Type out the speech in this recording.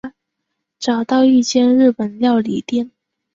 找到一间日本料理店